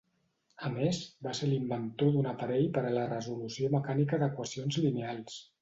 A més va ser l'inventor d'un aparell per a la resolució mecànica d'equacions lineals.